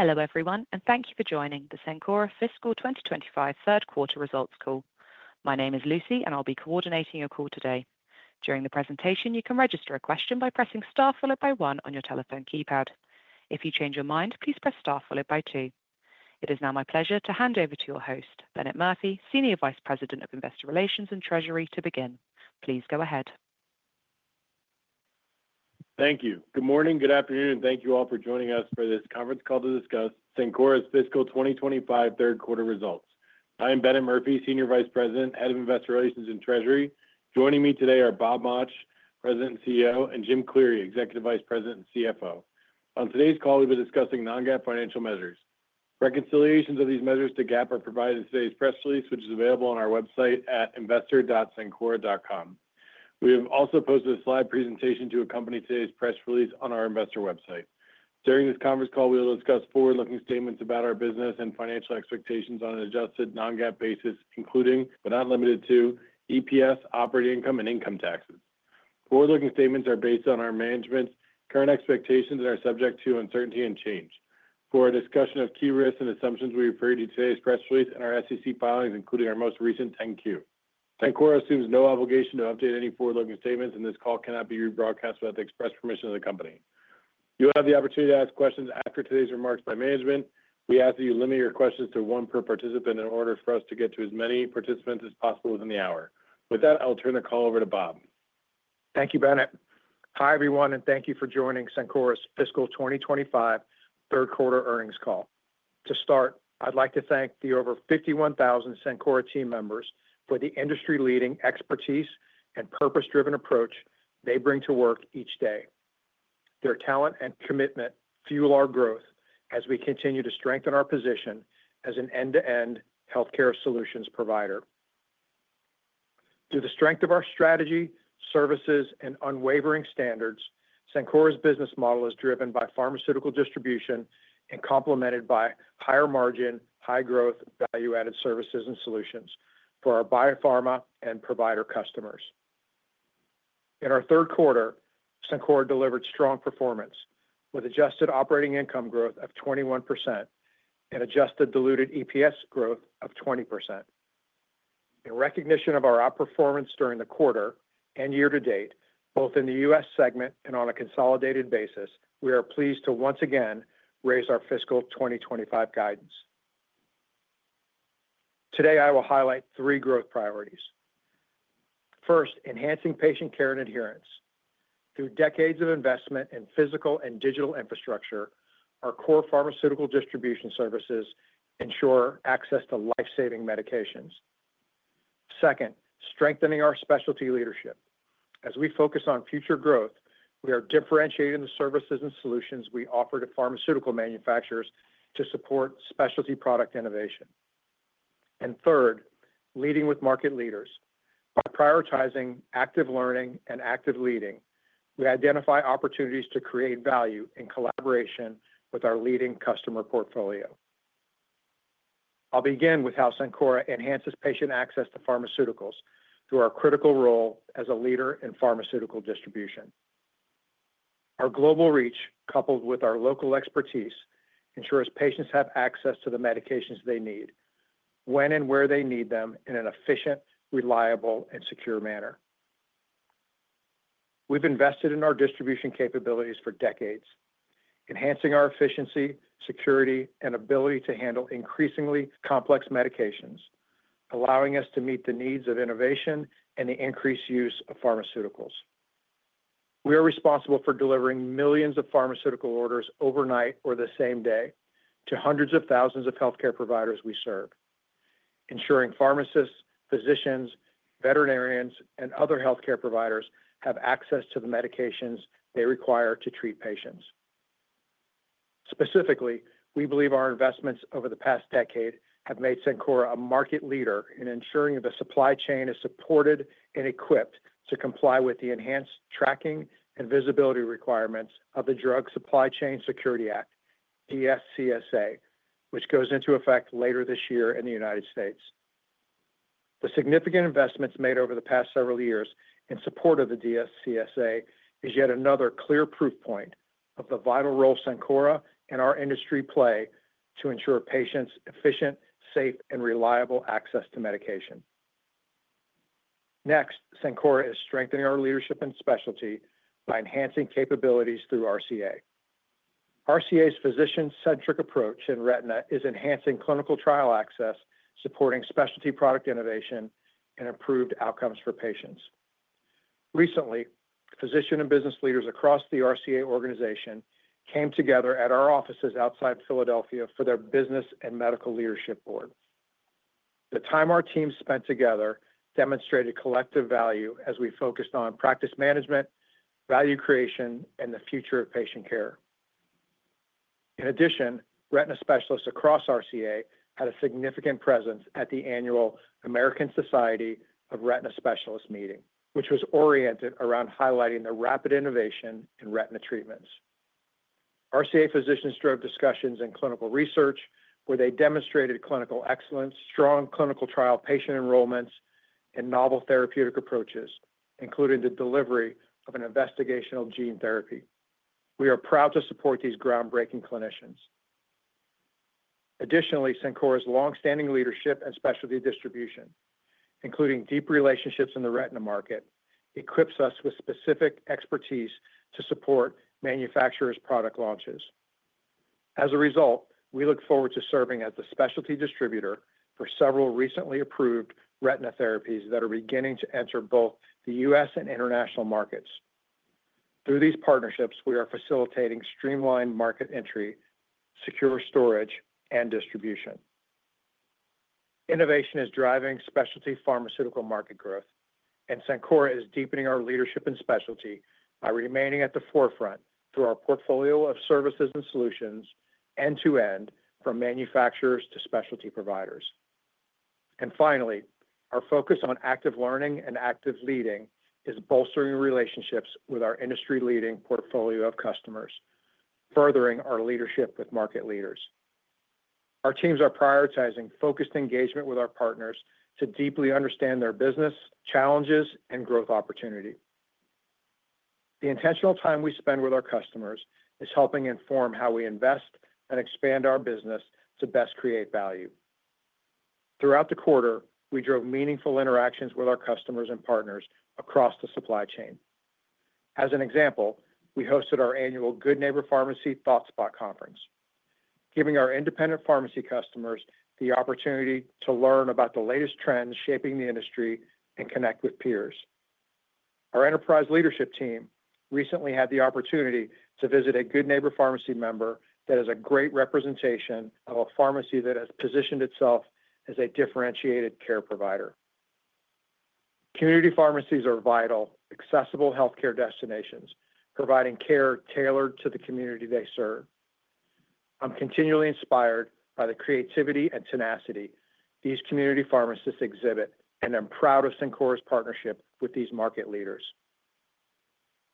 Hello everyone, and thank you for joining the Cencora fiscal 2025 third quarter results call. My name is Lucy, and I'll be coordinating your call today. During the presentation, you can register a question by pressing star followed by one on your telephone keypad. If you change your mind, please press star followed by two. It is now my pleasure to hand over to your host, Bennett Murphy, Senior Vice President of Investor Relations and Treasury, to begin. Please go ahead. Thank you. Good morning, good afternoon, and thank you all for joining us for this conference call to discuss Cencora's fiscal 2025 third quarter results. I am Bennett Murphy, Senior Vice President of Investor Relations and Treasury. Joining me today are Bob Mauch, President and CEO, and Jim Cleary, Executive Vice President and CFO. On today's call, we'll be discussing non-GAAP financial measures. Reconciliations of these measures to GAAP are provided in today's press release, which is available on our website at investor.cencora.com. We have also posted a slide presentation to accompany today's press release on our investor website. During this conference call, we will discuss forward-looking statements about our business and financial expectations on an adjusted non-GAAP basis, including but not limited to EPS, operating income, and income taxes. Forward-looking statements are based on our management's current expectations and are subject to uncertainty and change. For a discussion of key risks and assumptions, we refer to today's press release and our SEC filings, including our most recent Form 10-Q. Cencora assumes no obligation to update any forward-looking statements, and this call cannot be rebroadcast without the express permission of the company. You will have the opportunity to ask questions after today's remarks by management. We ask that you limit your questions to one per participant in order for us to get to as many participants as possible within the hour. With that, I'll turn the call over to Bob. Thank you, Bennett. Hi everyone, and thank you for joining Cencora's fiscal 2025 third quarter earnings call. To start, I'd like to thank the over 51,000 Cencora team members for the industry-leading expertise and purpose-driven approach they bring to work each day. Their talent and commitment fuel our growth as we continue to strengthen our position as an end-to-end healthcare solutions provider. Through the strength of our strategy, services, and unwavering standards, Cencora's business model is driven by pharmaceutical distribution and complemented by higher margin, high growth value-added services and solutions for our biopharma and provider customers. In our third quarter, Cencora delivered strong performance with adjusted operating income growth of 21% and adjusted diluted EPS growth of 20%. In recognition of our outperformance during the quarter and year-to-date, both in the U.S. segment and on a consolidated basis, we are pleased to once again raise our fiscal 2025 guidance. Today, I will highlight three growth priorities. First, enhancing patient care and adherence. Through decades of investment in physical and digital infrastructure, our core pharmaceutical distribution services ensure access to life-saving medications. Second, strengthening our specialty leadership. As we focus on future growth, we are differentiating the services and solutions we offer to pharmaceutical manufacturers to support specialty product innovation. Third, leading with market leaders. Prioritizing active learning and active leading, we identify opportunities to create value in collaboration with our leading customer portfolio. I'll begin with how Cencora enhances patient access to pharmaceuticals through our critical role as a leader in pharmaceutical distribution. Our global reach, coupled with our local expertise, ensures patients have access to the medications they need when and where they need them in an efficient, reliable, and secure manner. We've invested in our distribution capabilities for decades, enhancing our efficiency, security, and ability to handle increasingly complex medications, allowing us to meet the needs of innovation and the increased use of pharmaceuticals. We are responsible for delivering millions of pharmaceutical orders overnight or the same day to hundreds of thousands of healthcare providers we serve, ensuring pharmacists, physicians, veterinarians, and other healthcare providers have access to the medications they require to treat patients. Specifically, we believe our investments over the past decade have made Cencora a market leader in ensuring the supply chain is supported and equipped to comply with the enhanced tracking and visibility requirements of the Drug Supply Chain Security Act, DSCSA, which goes into effect later this year in the United States. The significant investments made over the past several years in support of the DSCSA is yet another clear proof point of the vital role Cencora and our industry play to ensure patients' efficient, safe, and reliable access to medication. Next, Cencora is strengthening our leadership in specialty by enhancing capabilities through RCA. RCA's physician-centric approach in retina is enhancing clinical trial access, supporting specialty product innovation, and improved outcomes for patients. Recently, physician and business leaders across the RCA organization came together at our offices outside Philadelphia for their Business and Medical Leadership Board. The time our teams spent together demonstrated collective value as we focused on practice management, value creation, and the future of patient care. In addition, retina specialists across RCA had a significant presence at the annual American Society of Retina Specialists meeting, which was oriented around highlighting the rapid innovation in retina treatments. RCA physicians drove discussions in clinical research where they demonstrated clinical excellence, strong clinical trial patient enrollments, and novel therapeutic approaches, including the delivery of an investigational gene therapy. We are proud to support these groundbreaking clinicians. Additionally, Cencora's longstanding leadership in specialty distribution, including deep relationships in the retina market, equips us with specific expertise to support manufacturers' product launches. As a result, we look forward to serving as the specialty distributor for several recently approved retina therapies that are beginning to enter both the U.S. and international markets. Through these partnerships, we are facilitating streamlined market entry, secure storage, and distribution. Innovation is driving specialty pharmaceutical market growth, and Cencora is deepening our leadership in specialty by remaining at the forefront through our portfolio of services and solutions, end-to-end from manufacturers to specialty providers. Finally, our focus on active learning and active leading is bolstering relationships with our industry-leading portfolio of customers, furthering our leadership with market leaders. Our teams are prioritizing focused engagement with our partners to deeply understand their business challenges and growth opportunity. The intentional time we spend with our customers is helping inform how we invest and expand our business to best create value. Throughout the quarter, we drove meaningful interactions with our customers and partners across the supply chain. For example, we hosted our annual Good Neighbor Pharmacy ThoughtSpot conference, giving our independent pharmacy customers the opportunity to learn about the latest trends shaping the industry and connect with peers. Our enterprise leadership team recently had the opportunity to visit a Good Neighbor Pharmacy member that is a great representation of a pharmacy that has positioned itself as a differentiated care provider. Community pharmacies are vital, accessible healthcare destinations, providing care tailored to the community they serve. I'm continually inspired by the creativity and tenacity these community pharmacists exhibit, and I'm proud of Cencora's partnership with these market leaders.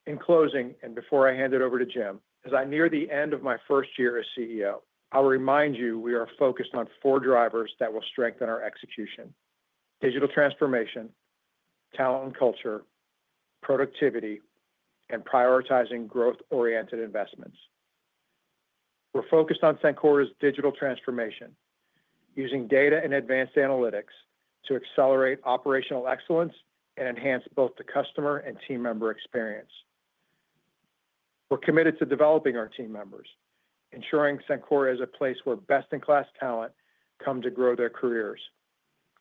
In closing, and before I hand it over to Jim, as I near the end of my first year as CEO, I'll remind you we are focused on four drivers that will strengthen our execution: digital transformation, talent culture, productivity, and prioritizing growth-oriented investments. We're focused on Cencora's digital transformation, using data and advanced analytics to accelerate operational excellence and enhance both the customer and team member experience. We're committed to developing our team members, ensuring Cencora is a place where best-in-class talent come to grow their careers,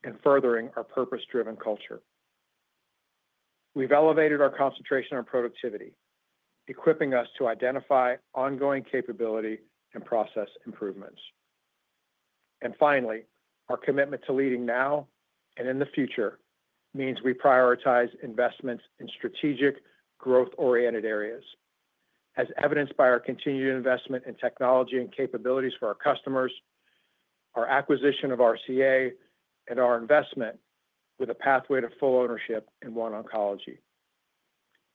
and furthering our purpose-driven culture. We've elevated our concentration on productivity, equipping us to identify ongoing capability and process improvements. Finally, our commitment to leading now and in the future means we prioritize investments in strategic growth-oriented areas, as evidenced by our continued investment in technology and capabilities for our customers, our acquisition of Retina Consultants of America, and our investment with a pathway to full ownership in OneOncology.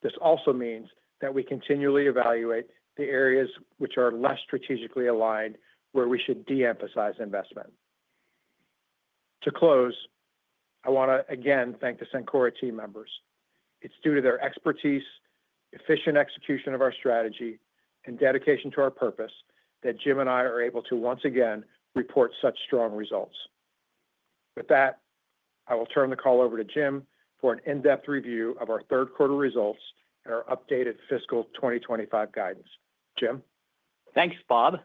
This also means that we continually evaluate the areas which are less strategically aligned where we should de-emphasize investment. To close, I want to again thank the Cencora team members. It's due to their expertise, efficient execution of our strategy, and dedication to our purpose that Jim and I are able to once again report such strong results. With that, I will turn the call over to Jim for an in-depth review of our third quarter results and our updated fiscal 2025 guidance. Jim? Thanks, Bob.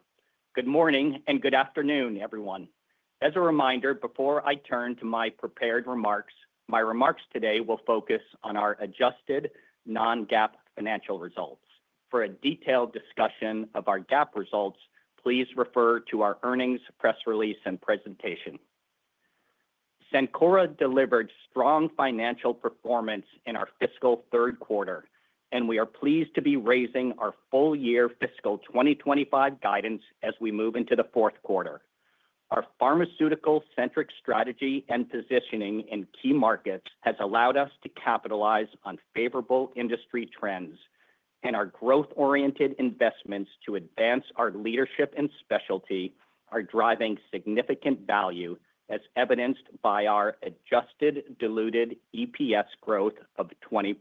Good morning and good afternoon, everyone. As a reminder, before I turn to my prepared remarks, my remarks today will focus on our adjusted non-GAAP financial results. For a detailed discussion of our GAAP results, please refer to our earnings press release and presentation. Cencora delivered strong financial performance in our fiscal third quarter, and we are pleased to be raising our full-year fiscal 2025 guidance as we move into the fourth quarter. Our pharmaceutical-centric strategy and positioning in key markets has allowed us to capitalize on favorable industry trends, and our growth-oriented investments to advance our leadership in specialty are driving significant value, as evidenced by our adjusted diluted EPS growth of 20%.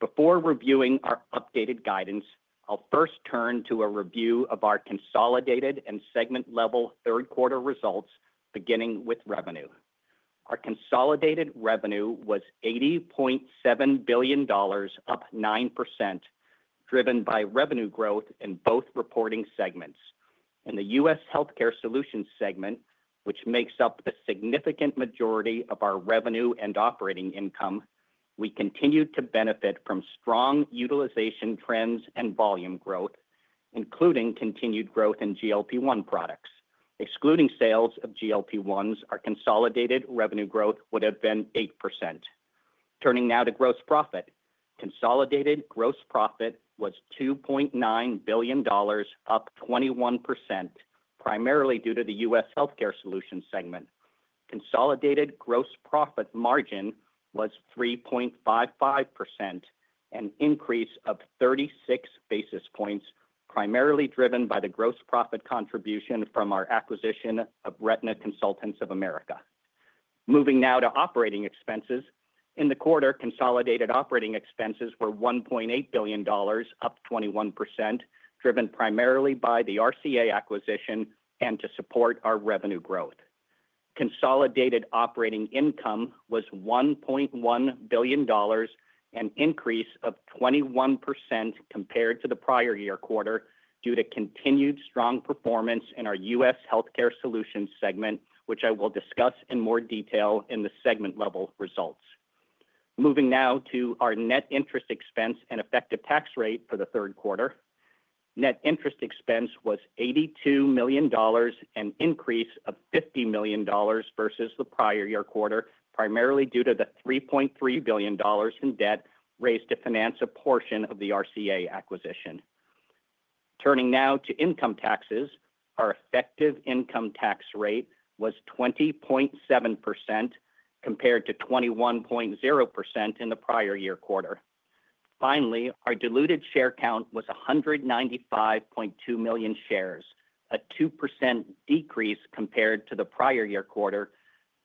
Before reviewing our updated guidance, I'll first turn to a review of our consolidated and segment-level third quarter results, beginning with revenue. Our consolidated revenue was $80.7 billion, up 9%, driven by revenue growth in both reporting segments. In the U.S. Healthcare Solutions segment, which makes up the significant majority of our revenue and operating income, we continued to benefit from strong utilization trends and volume growth, including continued growth in GLP-1 products. Excluding sales of GLP-1s, our consolidated revenue growth would have been 8%. Turning now to gross profit, consolidated gross profit was $2.9 billion, up 21%, primarily due to the U.S. Healthcare Solutions segment. Consolidated gross profit margin was 3.55%, an increase of 36 basis points, primarily driven by the gross profit contribution from our acquisition of Retina Consultants of America. Moving now to operating expenses, in the quarter, consolidated operating expenses were $1.8 billion, up 21%, driven primarily by the RCA acquisition and to support our revenue growth. Consolidated operating income was $1.1 billion, an increase of 21% compared to the prior year quarter due to continued strong performance in our U.S. Healthcare Solutions segment, which I will discuss in more detail in the segment-level results. Moving now to our net interest expense and effective tax rate for the third quarter, net interest expense was $82 million, an increase of $50 million versus the prior year quarter, primarily due to the $3.3 billion in debt raised to finance a portion of the RCA acquisition. Turning now to income taxes, our effective income tax rate was 20.7% compared to 21.0% in the prior year quarter. Finally, our diluted share count was 195.2 million shares, a 2% decrease compared to the prior year quarter,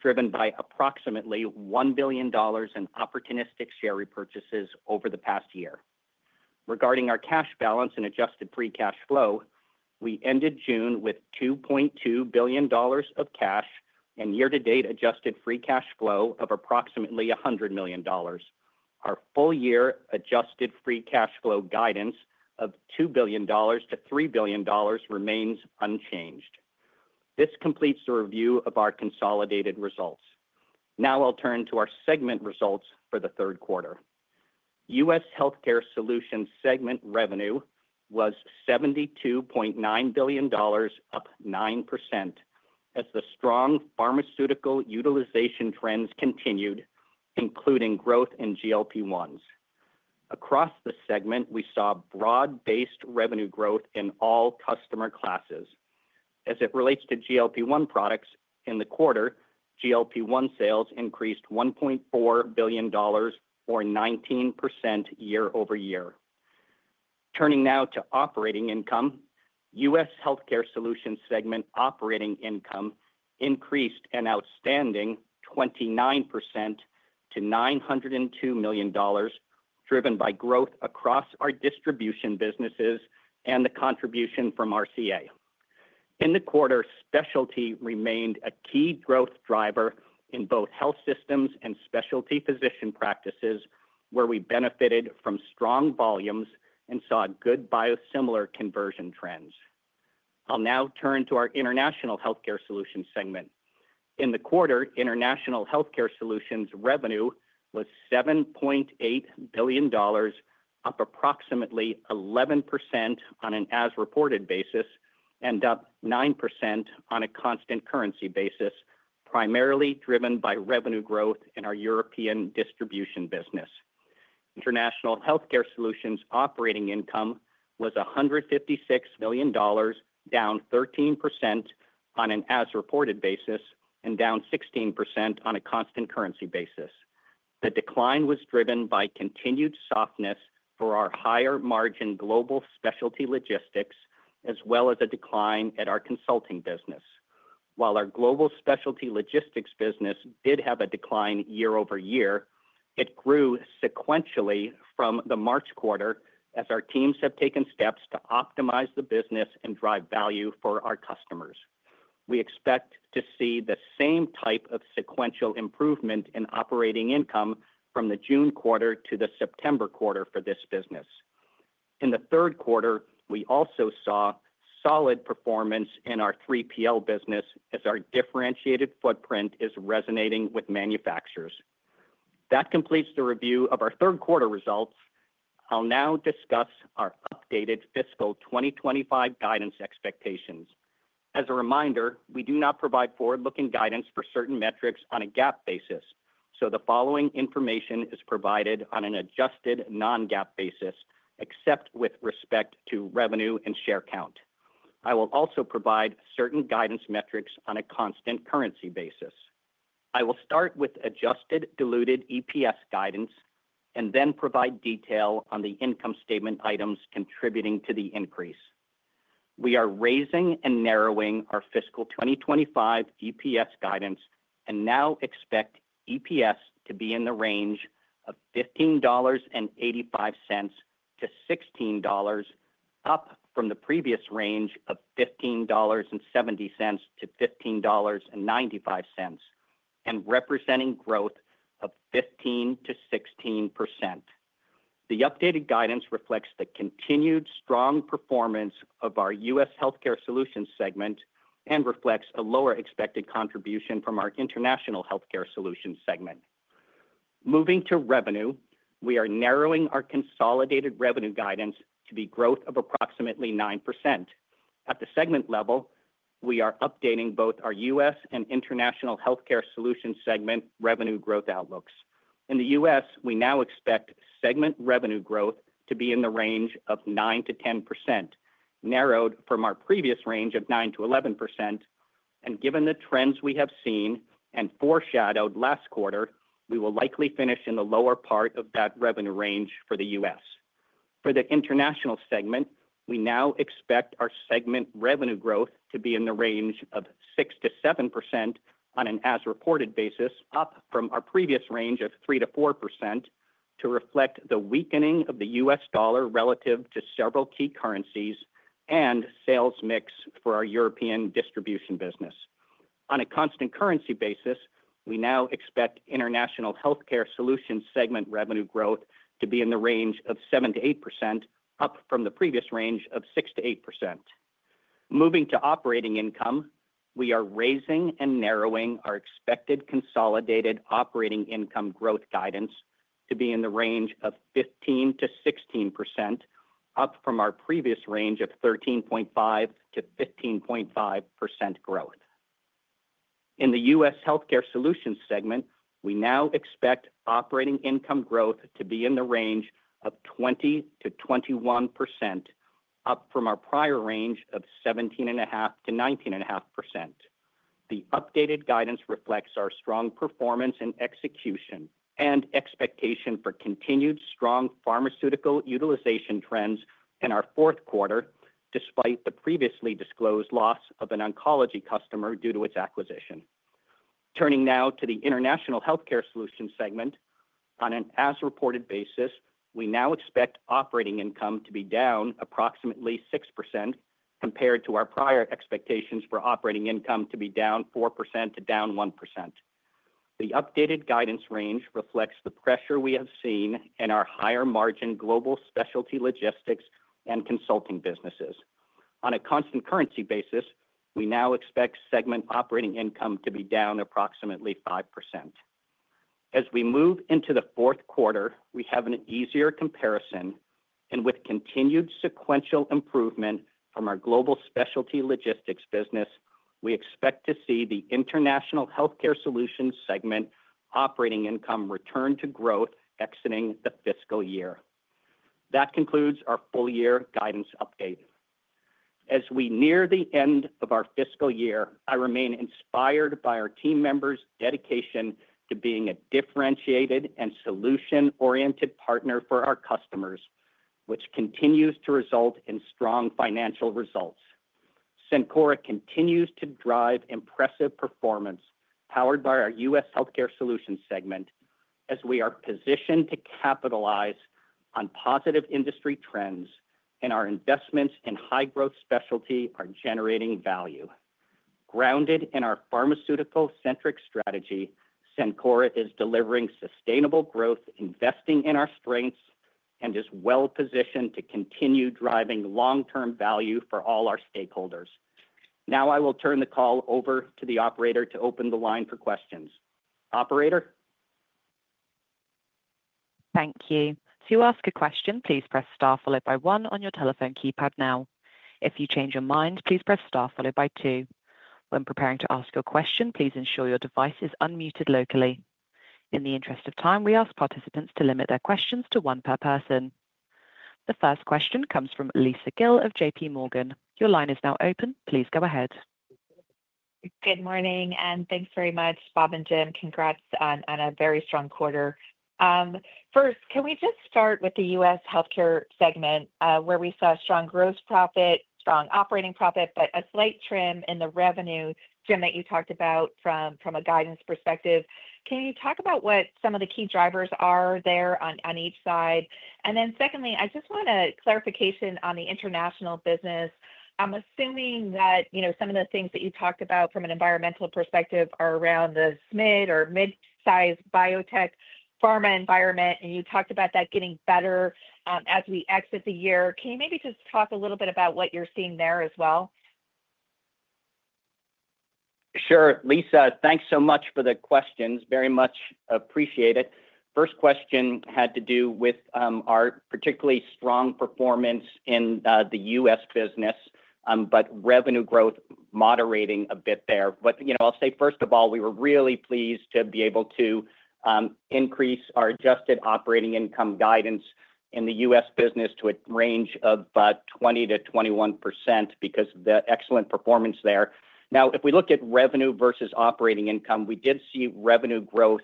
driven by approximately $1 billion in opportunistic share repurchases over the past year. Regarding our cash balance and adjusted free cash flow, we ended June with $2.2 billion of cash and year-to-date adjusted free cash flow of approximately $100 million. Our full-year adjusted free cash flow guidance of $2 billion-$3 billion remains unchanged. This completes the review of our consolidated results. Now I'll turn to our segment results for the third quarter. U.S. Healthcare Solutions segment revenue was $72.9 billion, up 9%, as the strong pharmaceutical utilization trends continued, including growth in GLP-1s. Across the segment, we saw broad-based revenue growth in all customer classes. As it relates to GLP-1 products, in the quarter, GLP-1 sales increased $1.4 billion, or 19% year-over-year. Turning now to operating income, U.S. Healthcare Solutions segment operating income increased an outstanding 29% to $902 million, driven by growth across our distribution businesses and the contribution from RCA. In the quarter, specialty remained a key growth driver in both health systems and specialty physician practices, where we benefited from strong volumes and saw good biosimilar conversion trends. I'll now turn to our International Healthcare Solutions segment. In the quarter, International Healthcare Solutions revenue was $7.8 billion, up approximately 11% on an as-reported basis and up 9% on a constant currency basis, primarily driven by revenue growth in our European distribution business. International Healthcare Solutions operating income was $156 million, down 13% on an as-reported basis and down 16% on a constant currency basis. The decline was driven by continued softness for our higher margin global specialty logistics, as well as a decline at our consulting business. While our global specialty logistics business did have a decline year-over-year, it grew sequentially from the March quarter as our teams have taken steps to optimize the business and drive value for our customers. We expect to see the same type of sequential improvement in operating income from the June quarter to the September quarter for this business. In the third quarter, we also saw solid performance in our 3PL business as our differentiated footprint is resonating with manufacturers. That completes the review of our third quarter results. I'll now discuss our updated fiscal 2025 guidance expectations. As a reminder, we do not provide forward-looking guidance for certain metrics on a GAAP basis, so the following information is provided on an adjusted non-GAAP basis, except with respect to revenue and share count. I will also provide certain guidance metrics on a constant currency basis. I will start with adjusted diluted EPS guidance and then provide detail on the income statement items contributing to the increase. We are raising and narrowing our fiscal 2025 EPS guidance and now expect EPS to be in the range of $15.85-$16, up from the previous range of $15.70-$15.95, and representing growth of 15%-16%. The updated guidance reflects the continued strong performance of our U.S. Healthcare Solutions segment and reflects a lower expected contribution from our International Healthcare Solutions segment. Moving to revenue, we are narrowing our consolidated revenue guidance to the growth of approximately 9%. At the segment level, we are updating both our U.S. and International Healthcare Solutions segment revenue growth outlooks. In the U.S., we now expect segment revenue growth to be in the range of 9%-10%, narrowed from our previous range of 9%-11%, and given the trends we have seen and foreshadowed last quarter, we will likely finish in the lower part of that revenue range for the U.S. For the international segment, we now expect our segment revenue growth to be in the range of 6%-7% on an as-reported basis, up from our previous range of 3%-4%, to reflect the weakening of the US dollar relative to several key currencies and sales mix for our European distribution business. On a constant currency basis, we now expect International Healthcare Solutions segment revenue growth to be in the range of 7%-8%, up from the previous range of 6%-8%. Moving to operating income, we are raising and narrowing our expected consolidated operating income growth guidance to be in the range of 15%-16%, up from our previous range of 13.5%-15.5% growth. In the U.S. Healthcare Solutions segment, we now expect operating income growth to be in the range of 20%-21%, up from our prior range of 17.5%-19.5%. The updated guidance reflects our strong performance and execution and expectation for continued strong pharmaceutical utilization trends in our fourth quarter, despite the previously disclosed loss of an oncology customer due to its acquisition. Turning now to the International Healthcare Solutions segment, on an as-reported basis, we now expect operating income to be down approximately 6% compared to our prior expectations for operating income to be down 4% to down 1%. The updated guidance range reflects the pressure we have seen in our higher margin global specialty logistics and consulting businesses. On a constant currency basis, we now expect segment operating income to be down approximately 5%. As we move into the fourth quarter, we have an easier comparison, and with continued sequential improvement from our global specialty logistics business, we expect to see the International Healthcare Solutions segment operating income return to growth exiting the fiscal year. That concludes our full-year guidance update. As we near the end of our fiscal year, I remain inspired by our team members' dedication to being a differentiated and solution-oriented partner for our customers, which continues to result in strong financial results. Cencora continues to drive impressive performance powered by our U.S. Healthcare Solutions segment as we are positioned to capitalize on positive industry trends, and our investments in high-growth specialty are generating value. Grounded in our pharmaceutical-centric strategy, Cencora is delivering sustainable growth, investing in our strengths, and is well-positioned to continue driving long-term value for all our stakeholders. Now I will turn the call over to the operator to open the line for questions. Operator? Thank you. To ask a question, please press star followed by one on your telephone keypad now. If you change your mind, please press star followed by two. When preparing to ask your question, please ensure your device is unmuted locally. In the interest of time, we ask participants to limit their questions to one per person. The first question comes from Lisa Gill of JPMorgan. Your line is now open. Please go ahead. Good morning, and thanks very much, Bob and Jim. Congrats on a very strong quarter. First, can we just start with the U.S. Healthcare segment where we saw a strong gross profit, strong operating profit, but a slight trim in the revenue, Jim, that you talked about from a guidance perspective. Can you talk about what some of the key drivers are there on each side? I just want a clarification on the international business. I'm assuming that some of the things that you talked about from an environmental perspective are around the mid or mid-sized biotech pharma environment, and you talked about that getting better as we exit the year. Can you maybe just talk a little bit about what you're seeing there as well? Sure. Lisa, thanks so much for the questions. Very much appreciate it. First question had to do with our particularly strong performance in the U.S. business, but revenue growth moderating a bit there. I'll say, first of all, we were really pleased to be able to increase our adjusted operating income guidance in the U.S. business to a range of 20%-21% because of the excellent performance there. Now, if we look at revenue versus operating income, we did see revenue growth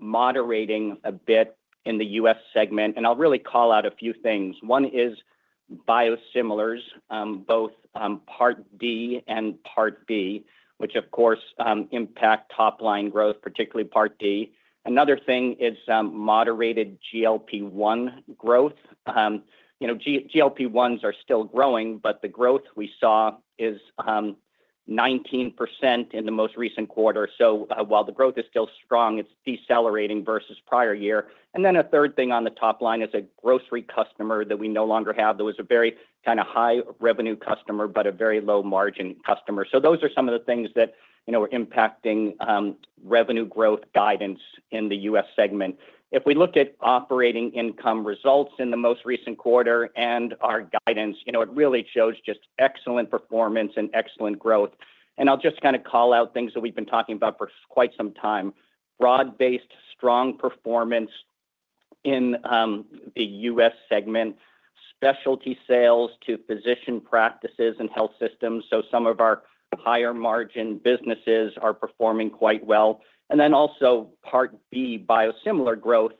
moderating a bit in the U.S. segment, and I'll really call out a few things. One is biosimilars, both Part D and Part B, which of course impact top-line growth, particularly Part D. Another thing is moderated GLP-1 growth. GLP-1s are still growing, but the growth we saw is 19% in the most recent quarter. While the growth is still strong, it's decelerating versus prior year. A third thing on the top line is a grocery customer that we no longer have that was a very kind of high-revenue customer but a very low-margin customer. Those are some of the things that were impacting revenue growth guidance in the U.S. segment. If we look at operating income results in the most recent quarter and our guidance, it really shows just excellent performance and excellent growth. I'll just kind of call out things that we've been talking about for quite some time. Broad-based strong performance in the U.S. segment, specialty sales to physician practices and health systems. Some of our higher margin businesses are performing quite well. Also, Part B biosimilar growth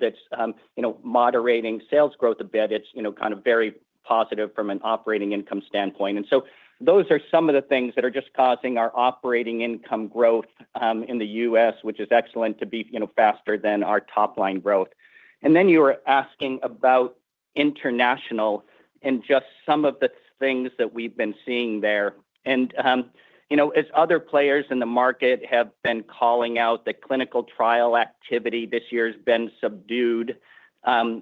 that's moderating sales growth a bit. It's very positive from an operating income standpoint. Those are some of the things that are just causing our operating income growth in the U.S., which is excellent, to be faster than our top-line growth. You were asking about international and just some of the things that we've been seeing there. As other players in the market have been calling out, clinical trial activity this year has been subdued,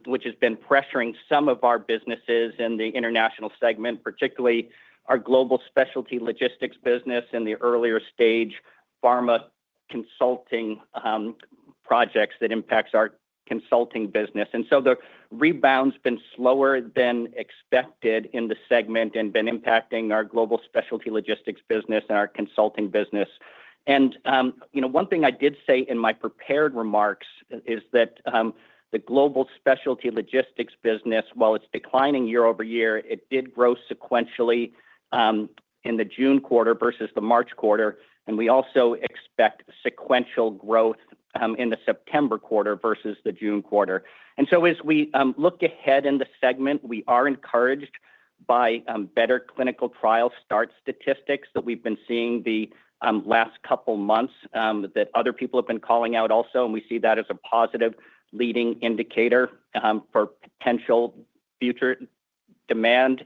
which has been pressuring some of our businesses in the international segment, particularly our global specialty logistics business and the earlier stage pharma consulting projects that impact our consulting business. The rebound's been slower than expected in the segment and been impacting our global specialty logistics business and our consulting business. One thing I did say in my prepared remarks is that the global specialty logistics business, while it's declining year-over-year, did grow sequentially in the June quarter versus the March quarter. We also expect sequential growth in the September quarter versus the June quarter. As we look ahead in the segment, we are encouraged by better clinical trial start statistics that we've been seeing the last couple of months that other people have been calling out also. We see that as a positive leading indicator for potential future demand.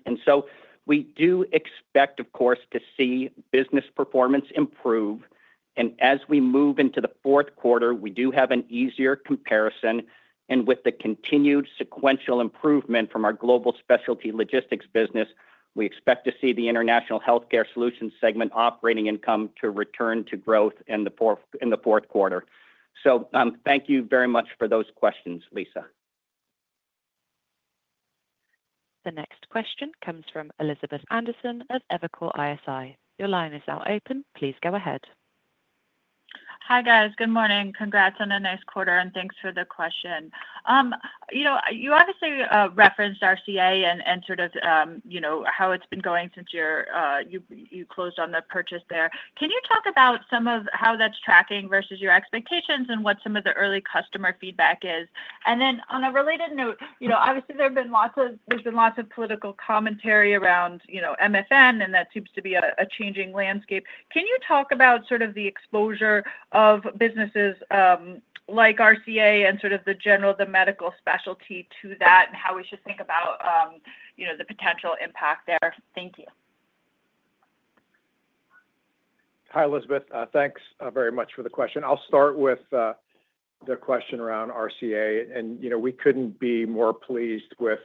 We do expect, of course, to see business performance improve. As we move into the fourth quarter, we do have an easier comparison. With the continued sequential improvement from our global specialty logistics business, we expect to see the International Healthcare Solutions segment operating income return to growth in the fourth quarter. Thank you very much for those questions, Lisa. The next question comes from Elizabeth Anderson of Evercore ISI. Your line is now open. Please go ahead. Hi, guys. Good morning. Congrats on a nice quarter and thanks for the question. You obviously referenced Retina Consultants of America and how it's been going since you closed on the purchase there. Can you talk about some of how that's tracking versus your expectations and what some of the early customer feedback is? On a related note, there has been lots of political commentary around MFN, and that seems to be a changing landscape. Can you talk about the exposure of businesses like RCA and the general medical specialty to that and how we should think about the potential impact there? Thank you. Hi, Elizabeth. Thanks very much for the question. I'll start with the question around RCA. We couldn't be more pleased with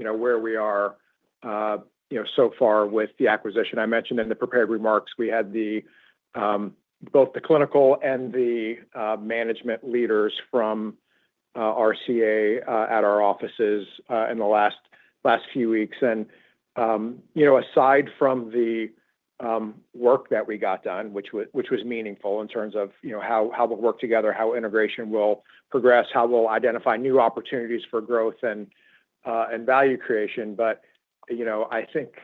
where we are so far with the acquisition. I mentioned in the prepared remarks we had both the clinical and the management leaders from RCA at our offices in the last few weeks. Aside from the work that we got done, which was meaningful in terms of how we'll work together, how integration will progress, and how we'll identify new opportunities for growth and value creation, I think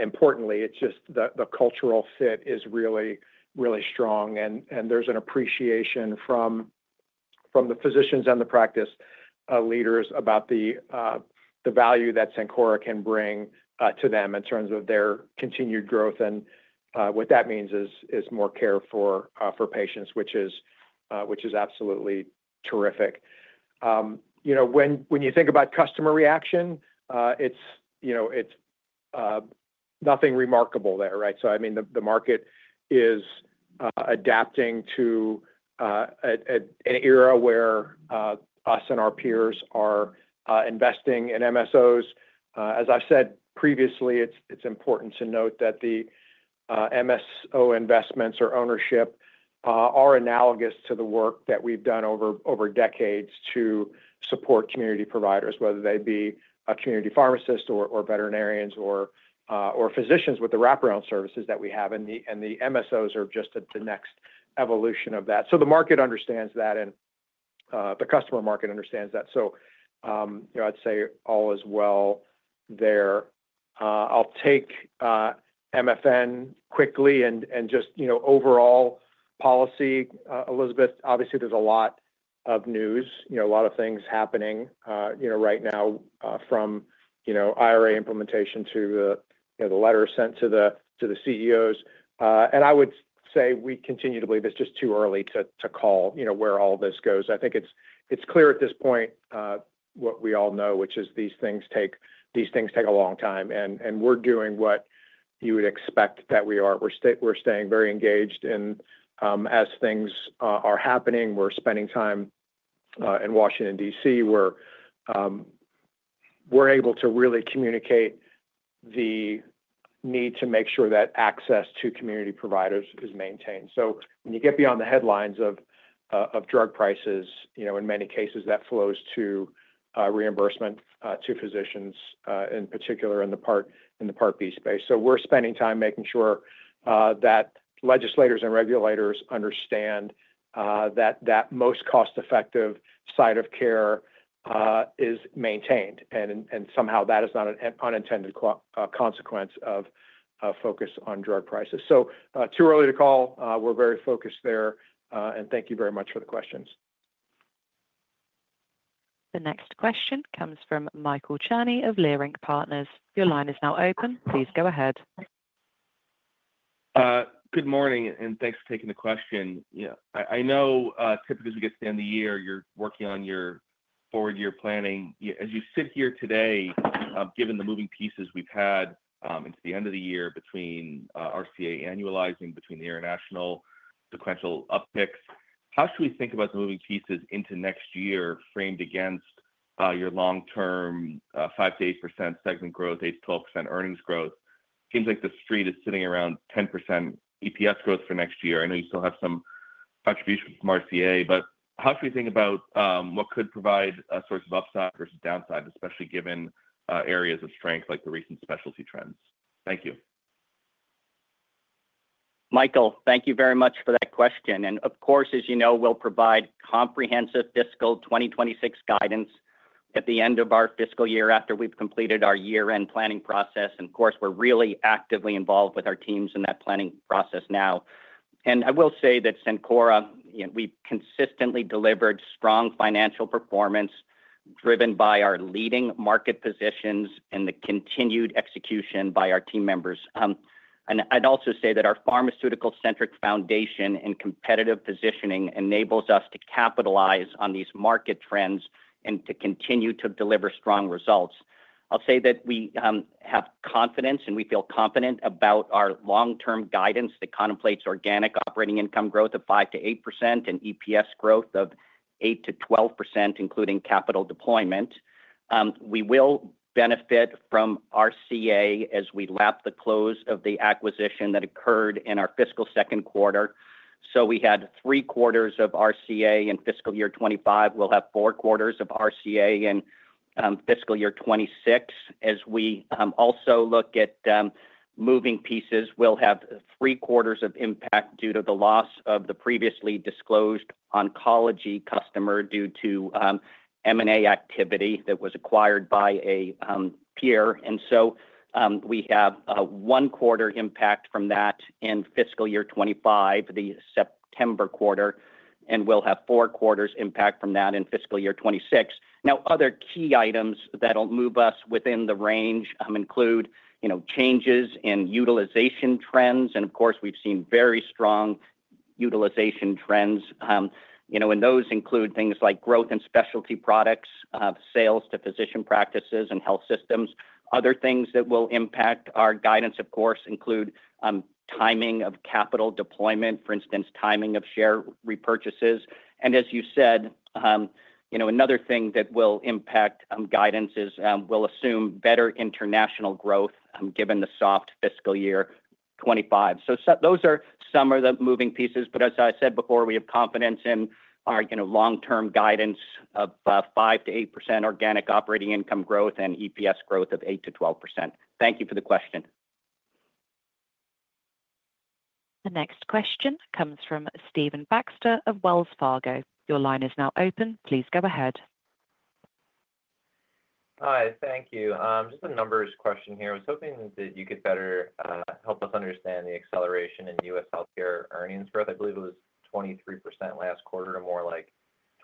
importantly, the cultural fit is really, really strong. There's an appreciation from the physicians and the practice leaders about the value that Cencora can bring to them in terms of their continued growth. What that means is more care for patients, which is absolutely terrific. When you think about customer reaction, it's nothing remarkable there, right? The market is adapting to an era where us and our peers are investing in MSOs. As I've said previously, it's important to note that the MSO investments or ownership are analogous to the work that we've done over decades to support community providers, whether they be community pharmacists or veterinarians or physicians with the wraparound services that we have. The MSOs are just the next evolution of that. The market understands that, and the customer market understands that. I'd say all is well there. I'll take MFN quickly and just overall policy. Elizabeth, obviously, there's a lot of news, a lot of things happening right now from IRA implementation to the letters sent to the CEOs. I would say we continue to believe it's just too early to call where all this goes. I think it's clear at this point what we all know, which is these things take a long time. We're doing what you would expect that we are. We're staying very engaged. As things are happening, we're spending time in Washington, D.C., where we're able to really communicate the need to make sure that access to community providers is maintained. When you get beyond the headlines of drug prices, in many cases, that flows to reimbursement to physicians, in particular in the Part B space. We're spending time making sure that legislators and regulators understand that the most cost-effective side of care is maintained. Somehow, that is not an unintended consequence of focus on drug prices. Too early to call. We're very focused there. Thank you very much for the questions. The next question comes from Michael Cherny of Leerink Partners. Your line is now open. Please go ahead. Good morning, and thanks for taking the question. I know typically as we get to the end of the year, you're working on your forward-year planning. As you sit here today, given the moving pieces we've had into the end of the year between RCA annualizing, between the international sequential upticks, how should we think about the moving pieces into next year framed against your long-term 5%-8% segment growth, 8%-12% earnings growth? It seems like the street is sitting around 10% EPS growth for next year. I know you still have some contributions from RCA, but how should we think about what could provide a source of upside versus downside, especially given areas of strength like the recent specialty trends? Thank you. Michael, thank you very much for that question. Of course, as you know, we'll provide comprehensive fiscal 2026 guidance at the end of our fiscal year after we've completed our year-end planning process. We are really actively involved with our teams in that planning process now. I will say that Cencora has consistently delivered strong financial performance driven by our leading market positions and the continued execution by our team members. I'd also say that our pharmaceutical-centric foundation and competitive positioning enable us to capitalize on these market trends and to continue to deliver strong results. We have confidence and we feel confident about our long-term guidance that contemplates organic operating income growth of 5%-8% and EPS growth of 8%-12%, including capital deployment. We will benefit from RCA as we lap the close of the acquisition that occurred in our fiscal second quarter. We had three quarters of RCA in fiscal year 2025. We'll have four quarters of RCA in fiscal year 2026. As we also look at moving pieces, we'll have three quarters of impact due to the loss of the previously disclosed oncology customer due to M&A activity that was acquired by a peer. We have one quarter impact from that in fiscal year 2025, the September quarter, and we'll have four quarters impact from that in fiscal year 2026. Other key items that'll move us within the range include changes in utilization trends. We've seen very strong utilization trends, and those include things like growth in specialty products, sales to physician practices and health systems. Other things that will impact our guidance include timing of capital deployment, for instance, timing of share repurchases. As you said, another thing that will impact guidance is we'll assume better international growth given the soft fiscal year 2025. Those are some of the moving pieces. As I said before, we have confidence in our long-term guidance of 5%-8% organic operating income growth and EPS growth of 8%-12%. Thank you for the question. The next question comes from Stephen Baxter of Wells Fargo. Your line is now open. Please go ahead. Hi. Thank you. Just a numbers question here. I was hoping that you could better help us understand the acceleration in U.S. healthcare earnings growth. I believe it was 23% last quarter to more like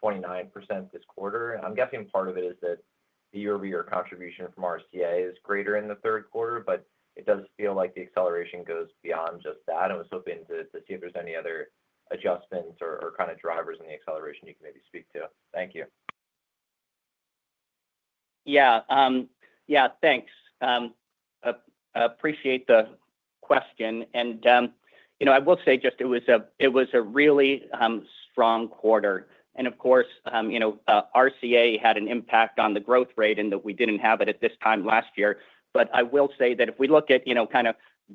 29% this quarter. I'm guessing part of it is that the year-over-year contribution from RCA is greater in the third quarter, but it does feel like the acceleration goes beyond just that. I was hoping to see if there's any other adjustments or kind of drivers in the acceleration you can maybe speak to. Thank you. Yeah, thanks. Appreciate the question. I will say just it was a really strong quarter. Of course, RCA had an impact on the growth rate in that we didn't have it at this time last year. I will say that if we look at kind of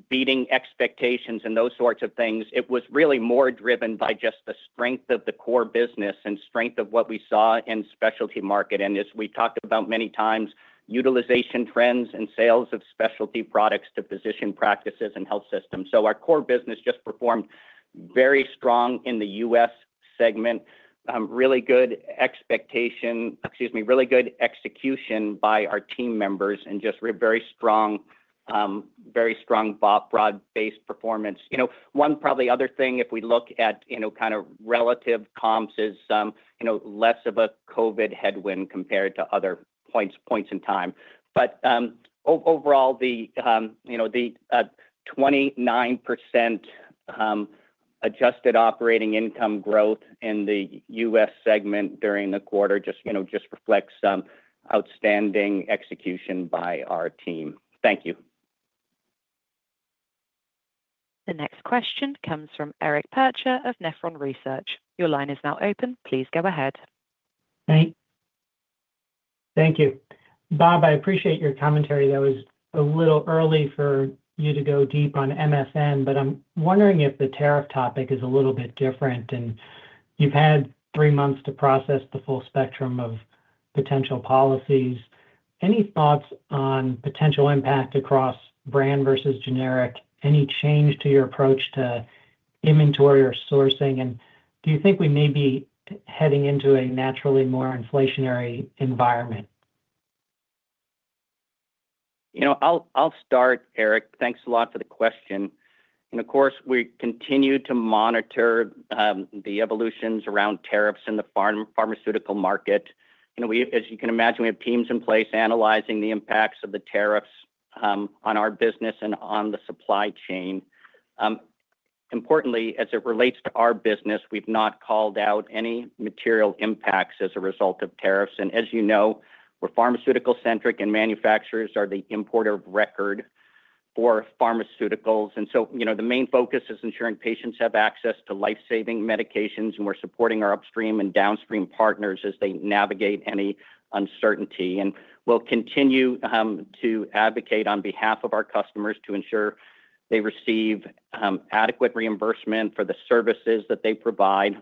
beating expectations and those sorts of things, it was really more driven by just the strength of the core business and strength of what we saw in the specialty market. As we've talked about many times, utilization trends and sales of specialty products to physician practices and health systems. Our core business just performed very strong in the U.S. segment. Really good execution by our team members and just very strong, very strong broad-based performance. One probably other thing if we look at kind of relative comps is less of a COVID headwind compared to other points in time. Overall, the 29% adjusted operating income growth in the U.S. segment during the quarter just reflects some outstanding execution by our team. Thank you. The next question comes from Eric Percher of Nephron Research. Your line is now open. Please go ahead. Thank you. Bob, I appreciate your commentary. That was a little early for you to go deep on MFN, but I'm wondering if the tariff topic is a little bit different. You've had three months to process the full spectrum of potential policies. Any thoughts on potential impact across brand versus generic? Any change to your approach to inventory or sourcing? Do you think we may be heading into a naturally more inflationary environment? You know. I'll start, Eric. Thanks a lot for the question. Of course, we continue to monitor the evolutions around tariffs in the pharmaceutical market. As you can imagine, we have teams in place analyzing the impacts of the tariffs on our business and on the supply chain. Importantly, as it relates to our business, we've not called out any material impacts as a result of tariffs. As you know, we're pharmaceutical-centric and manufacturers are the importer of record for pharmaceuticals. The main focus is ensuring patients have access to life-saving medications, and we're supporting our upstream and downstream partners as they navigate any uncertainty. We will continue to advocate on behalf of our customers to ensure they receive adequate reimbursement for the services that they provide.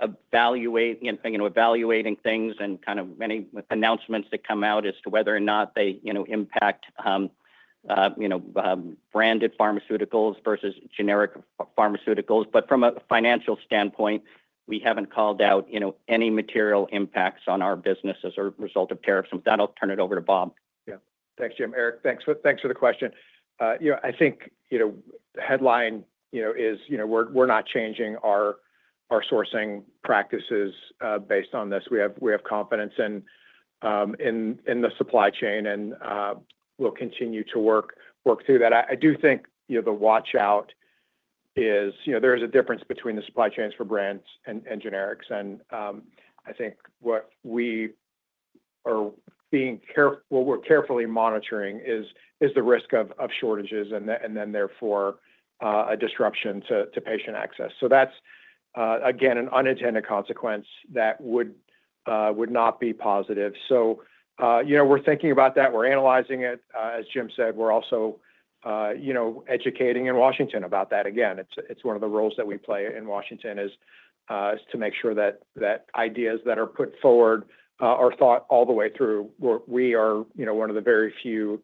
We're evaluating things and many announcements that come out as to whether or not they impact branded pharmaceuticals versus generic pharmaceuticals. From a financial standpoint, we haven't called out any material impacts on our business as a result of tariffs. With that, I'll turn it over to Bob. Yeah. Thanks, Jim. Eric, thanks for the question. I think the headline is we're not changing our sourcing practices based on this. We have confidence in the supply chain, and we'll continue to work through that. I do think the watch-out is there is a difference between the supply chains for brands and generics. I think what we are carefully monitoring is the risk of shortages and therefore a disruption to patient access. That's, again, an unintended consequence that would not be positive. We're thinking about that. We're analyzing it. As Jim said, we're also educating in Washington about that. One of the roles that we play in Washington is to make sure that ideas that are put forward are thought all the way through. We are one of the very few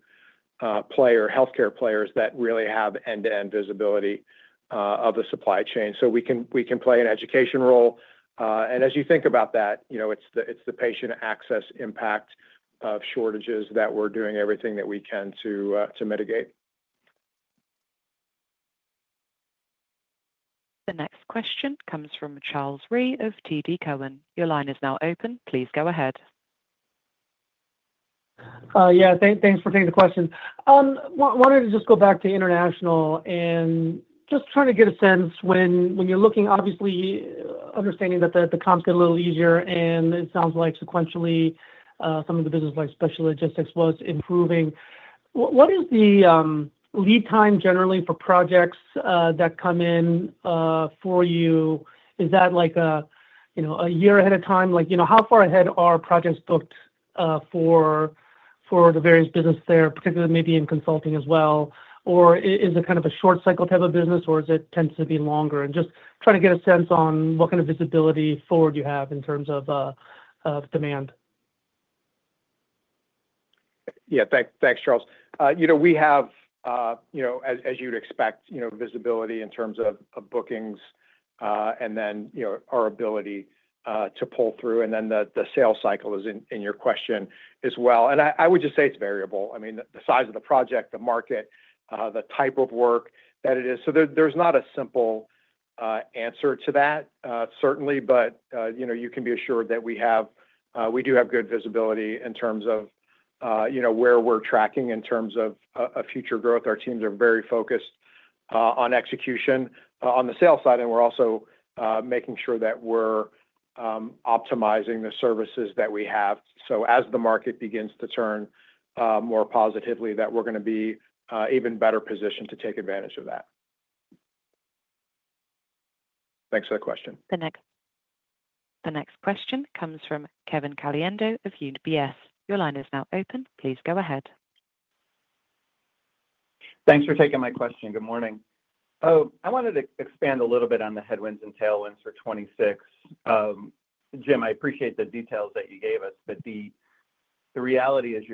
healthcare players that really have end-to-end visibility of the supply chain. We can play an education role. As you think about that, it's the patient access impact of shortages that we're doing everything that we can to mitigate. The next question comes from Charles Rhyee of TD Cowen. Your line is now open. Please go ahead. Yeah. Thanks for taking the question. I wanted to just go back to international and just trying to get a sense when you're looking, obviously understanding that the comps get a little easier, and it sounds like sequentially some of the business like special logistics was improving. What is the lead time generally for projects that come in for you? Is that like a year ahead of time? Like, you know, how far ahead are projects booked for the various business there, particularly maybe in consulting as well? Is it kind of a short-cycle type of business, or does it tend to be longer? Just trying to get a sense on what kind of visibility forward you have in terms of demand. Yeah. Thanks, Charles. We have, as you'd expect, visibility in terms of bookings and our ability to pull through. The sales cycle is in your question as well. I would just say it's variable. The size of the project, the market, the type of work that it is—there's not a simple answer to that, certainly. You can be assured that we do have good visibility in terms of where we're tracking in terms of future growth. Our teams are very focused on execution on the sales side, and we're also making sure that we're optimizing the services that we have. As the market begins to turn more positively, we're going to be even better positioned to take advantage of that. Thanks for the question. The next question comes from Kevin Caliendo of UBS. Your line is now open. Please go ahead. Thanks for taking my question. Good morning. I wanted to expand a little bit on the headwinds and tailwinds for 2026. Jim, I appreciate the details that you gave us, but the reality is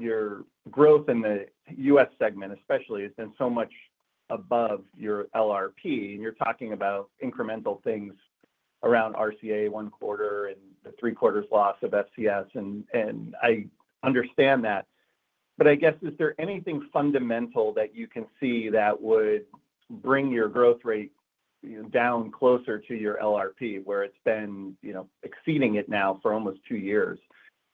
your growth in the U.S. segment, especially, has been so much above your LRP. You're talking about incremental things around RCA one quarter and the three-quarters loss of FCS. I understand that. I guess, is there anything fundamental that you can see that would bring your growth rate down closer to your LRP, where it's been exceeding it now for almost two years?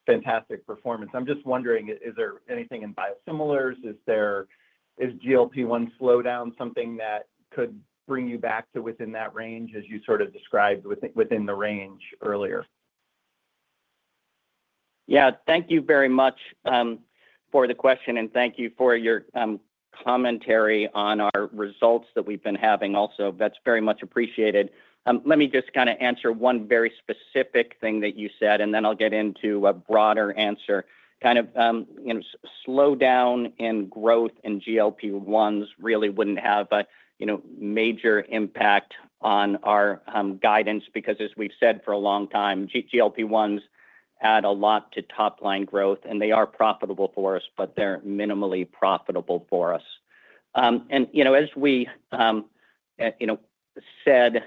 Fantastic performance. I'm just wondering, is there anything in biosimilars? Is GLP-1 slowdown something that could bring you back to within that range, as you sort of described within the range earlier? Thank you very much for the question, and thank you for your commentary on our results that we've been having also. That's very much appreciated. Let me just answer one very specific thing that you said, and then I'll get into a broader answer. Kind of slowdown in growth in GLP-1s really wouldn't have a major impact on our guidance because, as we've said for a long time, GLP-1s add a lot to top-line growth, and they are profitable for us, but they're minimally profitable for us. As we said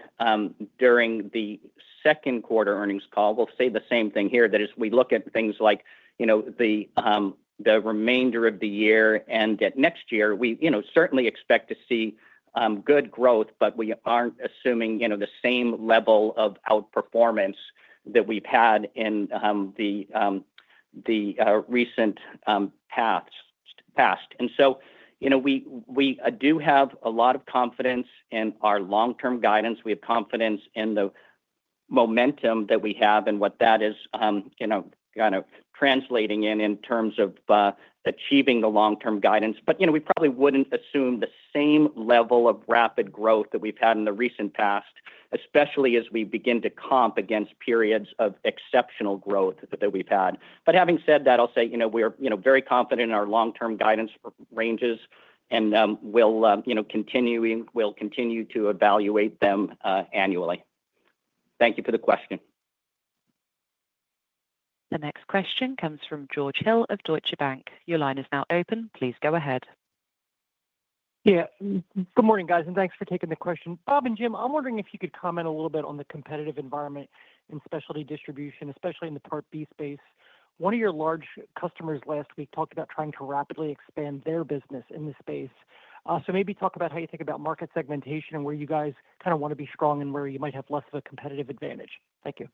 during the second quarter earnings call, we'll say the same thing here, that as we look at things like the remainder of the year and at next year, we certainly expect to see good growth, but we aren't assuming the same level of outperformance that we've had in the recent past. We do have a lot of confidence in our long-term guidance. We have confidence in the momentum that we have and what that is translating in in terms of achieving the long-term guidance. We probably wouldn't assume the same level of rapid growth that we've had in the recent past, especially as we begin to comp against periods of exceptional growth that we've had. Having said that, we're very confident in our long-term guidance ranges, and we'll continue to evaluate them annually. Thank you for the question. The next question comes from George Hill of Deutsche Bank. Your line is now open. Please go ahead. Good morning, guys, and thanks for taking the question. Bob and Jim, I'm wondering if you could comment a little bit on the competitive environment in specialty distribution, especially in the Part B space. One of your large customers last week talked about trying to rapidly expand their business in this space. Maybe talk about how you think about market segmentation and where you guys kind of want to be strong and where you might have less of a competitive advantage. Thank you.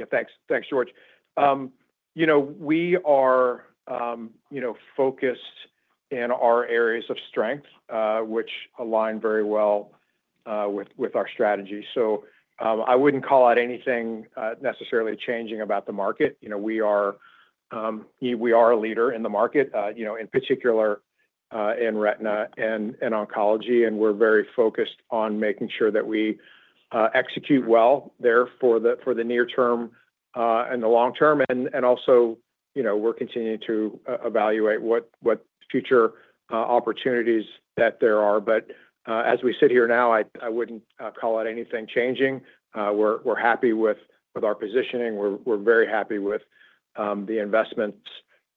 Yeah. Thanks, George. We are focused in our areas of strength, which align very well with our strategy. I wouldn't call out anything necessarily changing about the market. We are a leader in the market, in particular in retina and oncology, and we're very focused on making sure that we execute well there for the near term and the long term. We're continuing to evaluate what future opportunities there are. As we sit here now, I wouldn't call out anything changing. We're happy with our positioning. We're very happy with the investments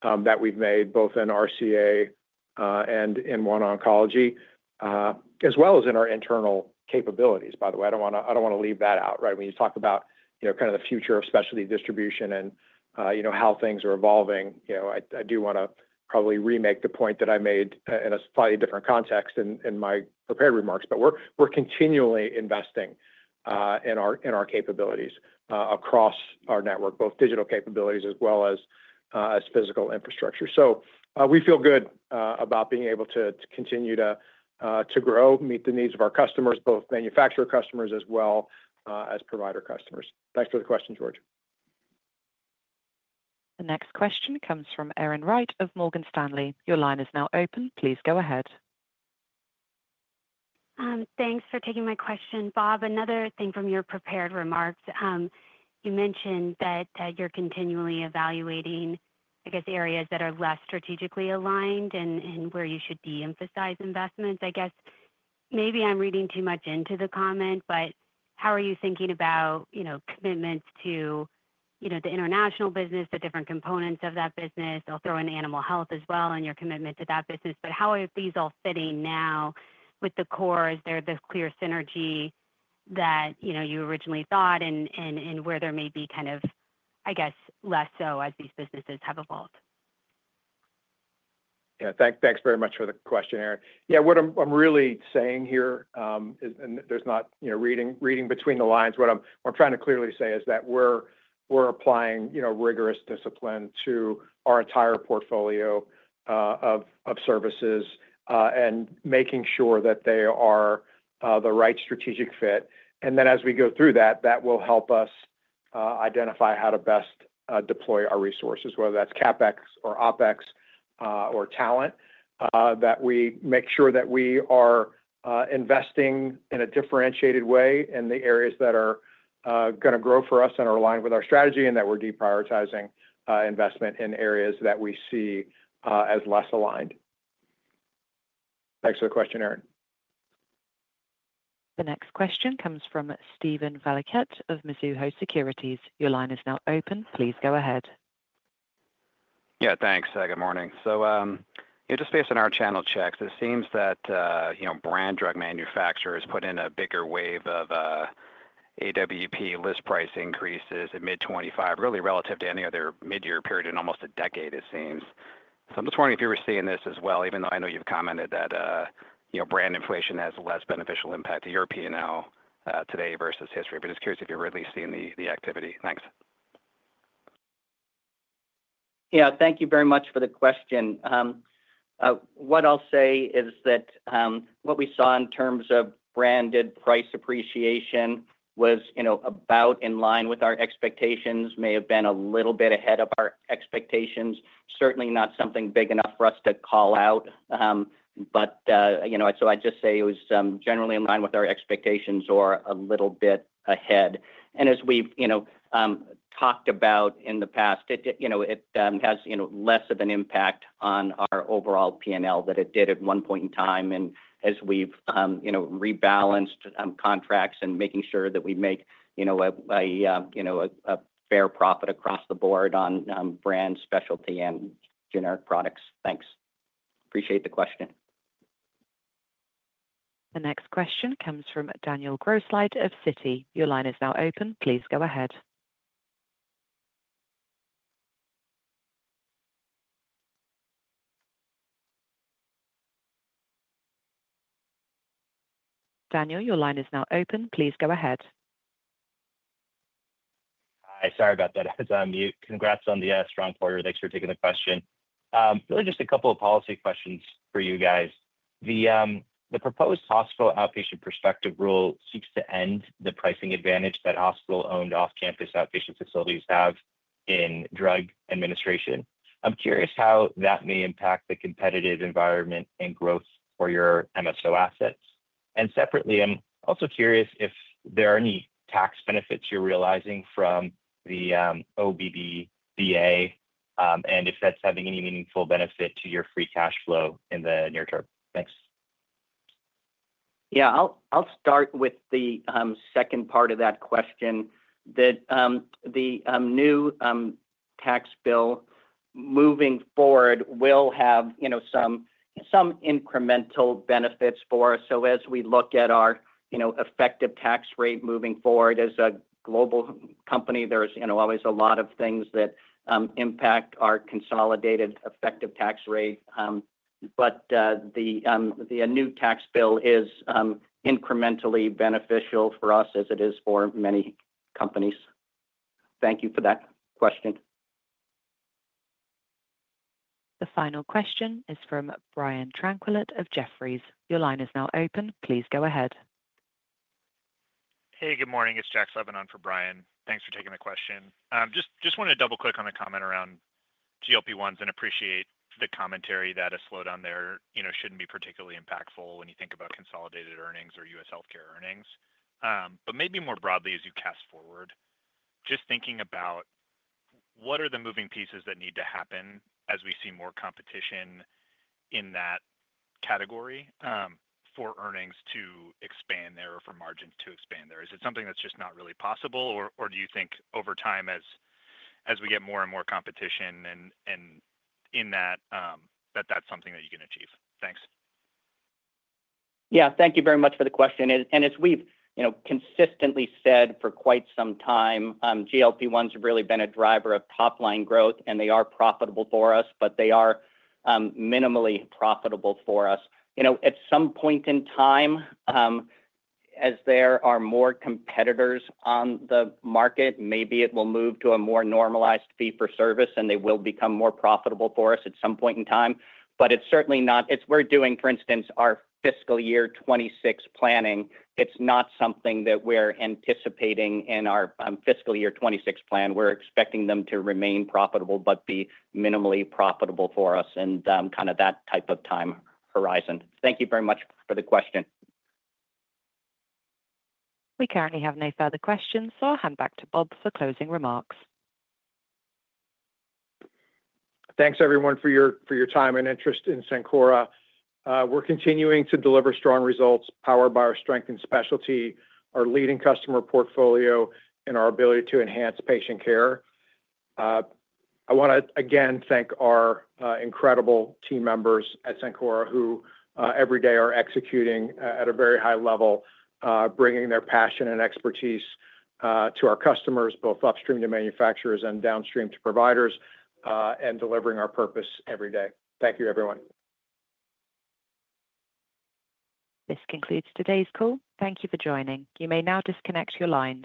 that we've made, both in RCA and in OneOncology, as well as in our internal capabilities, by the way. I don't want to leave that out, right? When you talk about the future of specialty distribution and how things are evolving, I do want to probably remake the point that I made in a slightly different context in my prepared remarks. We're continually investing in our capabilities across our network, both digital capabilities as well as physical infrastructure. We feel good about being able to continue to grow, meet the needs of our customers, both manufacturer customers as well as provider customers. Thanks for the question, George. The next question comes from Erin Wright of Morgan Stanley. Your line is now open. Please go ahead. Thanks for taking my question, Bob. Another thing from your prepared remarks, you mentioned that you're continually evaluating areas that are less strategically aligned and where you should de-emphasize investments. Maybe I'm reading too much into the comment, but how are you thinking about commitments to the international business, the different components of that business? I'll throw in animal health as well and your commitment to that business. How are these all fitting now with the cores? There's this clear synergy that you originally thought and where there may be kind of less so as these businesses have evolved. Yeah. Thanks very much for the question, Erin. What I'm really saying here is, and there's not reading between the lines, what I'm trying to clearly say is that we're applying rigorous discipline to our entire portfolio of services and making sure that they are the right strategic fit. As we go through that, that will help us identify how to best deploy our resources, whether that's CapEx or OpEx or talent, that we make sure that we are investing in a differentiated way in the areas that are going to grow for us and are aligned with our strategy and that we're deprioritizing investment in areas that we see as less aligned. Thanks for the question, Erin. The next question comes from Stephen Valiquette of Mizuho Securities. Your line is now open. Please go ahead. Yeah. Thanks. Good morning. Just based on our channel checks, it seems that brand drug manufacturers put in a bigger wave of AWP list price increases at mid-2025, really relative to any other mid-year period in almost a decade, it seems. I'm just wondering if you were seeing this as well, even though I know you've commented that brand inflation has a less beneficial impact to your P&L today versus history. Just curious if you're really seeing the activity. Thanks. Thank you very much for the question. What I'll say is that what we saw in terms of branded price appreciation was about in line with our expectations, may have been a little bit ahead of our expectations, certainly not something big enough for us to call out. I'd just say it was generally in line with our expectations or a little bit ahead. As we've talked about in the past, it has less of an impact on our overall P&L than it did at one point in time. As we've rebalanced contracts and making sure that we make a fair profit across the board on brand specialty and generic products. Thanks. Appreciate the question. The next question comes from Daniel Grosslight of Citi. Your line is now open. Please go ahead. Hi. Sorry about that. I was on mute. Congrats on the strong quarter. Thanks for taking the question. Really just a couple of policy questions for you guys. The proposed hospital outpatient prospective rule seeks to end the pricing advantage that hospital-owned off-campus outpatient facilities have in drug administration. I'm curious how that may impact the competitive environment and growth for your MSO assets. Separately, I'm also curious if there are any tax benefits you're realizing from the OBBBA and if that's having any meaningful benefit to your free cash flow in the near term. Thanks. Yeah. I'll start with the second part of that question. The new tax bill moving forward will have some incremental benefits for us. As we look at our effective tax rate moving forward as a global company, there's always a lot of things that impact our consolidated effective tax rate. The new tax bill is incrementally beneficial for us as it is for many companies. Thank you for that question. The final question is from Brian Tranquillette of Jefferies. Your line is now open. Please go ahead. Hey, good morning. It's Jack Slevin on for Brian. Thanks for taking the question. Just wanted to double-click on the comment around GLP-1s and appreciate the commentary that a slowdown there shouldn't be particularly impactful when you think about consolidated earnings or U.S. healthcare earnings. Maybe more broadly, as you cast forward, just thinking about what are the moving pieces that need to happen as we see more competition in that category for earnings to expand there or for margins to expand there? Is it something that's just not really possible, or do you think over time, as we get more and more competition in that, that that's something that you can achieve? Thanks. Thank you very much for the question. As we've consistently said for quite some time, GLP-1s have really been a driver of top-line growth, and they are profitable for us, but they are minimally profitable for us. At some point in time, as there are more competitors on the market, maybe it will move to a more normalized fee-for-service, and they will become more profitable for us at some point in time. It is certainly not, as we're doing, for instance, our fiscal year 2026 planning, something that we're anticipating in our fiscal year 2026 plan. We're expecting them to remain profitable but be minimally profitable for us in kind of that type of time horizon. Thank you very much for the question. We currently have no further questions, so I'll hand back to Bob for closing remarks. Thanks, everyone, for your time and interest in Cencora. We're continuing to deliver strong results powered by our strength in specialty, our leading customer portfolio, and our ability to enhance patient care. I want to again thank our incredible team members at Cencora who every day are executing at a very high level, bringing their passion and expertise to our customers, both upstream to manufacturers and downstream to providers, and delivering our purpose every day. Thank you, everyone. This concludes today's call. Thank you for joining. You may now disconnect your lines.